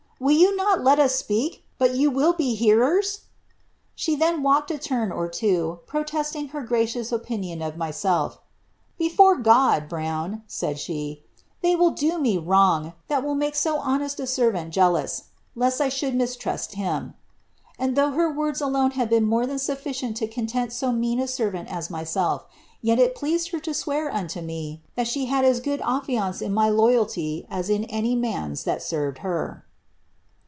Will you oc Jet us speak, but you will be hearers ?' She then walked a turn or ro, protesting her gracious opinion of myself; ^ Before God, Brown,' lid she, ^ they do me wrong, that will make so honest a servant jealous, «t I should mistrust him ;' and though her words alone had been more lan sufficient to content so mean a servant as myself, yet it pleased her » swear unto me, that she had as good affiance in my lo3ralty as in any lan's that served her."